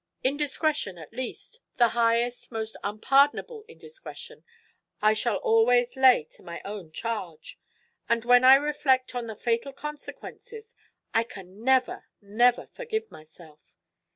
Indiscretion, at least, the highest, most unpardonable indiscretion, I shall always lay to ray own charge: and, when I reflect on the fatal consequences, I can never, never forgive myself."